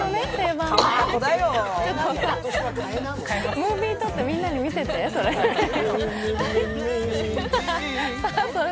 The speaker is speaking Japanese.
ムービー撮ってみんなに見せて、それ。